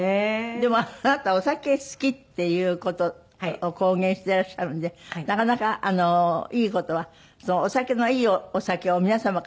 でもあなたお酒好きっていう事を公言していらっしゃるんでなかなかいい事はお酒のいいお酒を皆様からおもらいになるんですって？